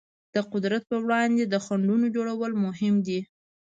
د قدرت پر وړاندې د خنډونو جوړول مهم دي.